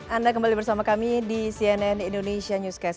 anda kembali bersama kami di cnn indonesia newscast